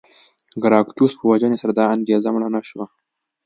ګراکچوس په وژنې سره دا انګېزه مړه نه شوه.